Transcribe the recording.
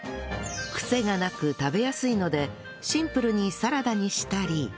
クセがなく食べやすいのでシンプルにサラダにしたり